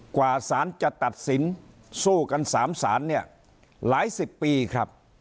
กว่าสารจะตัดสินสู้กัน๓ศาลเนี่ยหลายสิบปีครับ